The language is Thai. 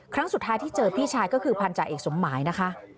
ครั้งสุดท้ายที่เจอพี่ชายก็คือพันธาเอกสมหมายนะคะ